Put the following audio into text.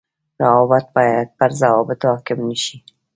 روابط باید پر ضوابطو حاڪم نشي